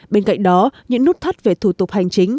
bên cạnh đó những nút thắt về thủ tục hành chính